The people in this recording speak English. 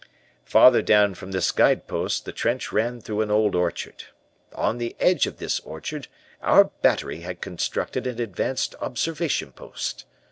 "Farther down from this guide post the trench ran through an old orchard. On the edge of this orchard our battery had constructed an advanced observation post.